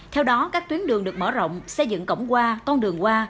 theo đó các tuyến đường được mở rộng xây dựng cổng qua toàn đường qua